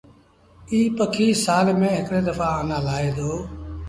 ايٚ پکي سآل ميݩ هڪڙي دڦآ آنآ لآهي دو۔